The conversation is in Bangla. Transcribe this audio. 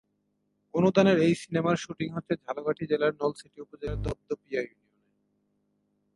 অনুদানের এই সিনেমার শুটিং হচ্ছে ঝালকাঠি জেলার নলছিটি উপজেলার দপদপিয়া ইউনিয়নে।